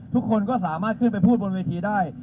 ทุกคนก็สามารถขึ้นไปพูดบนเวทีได้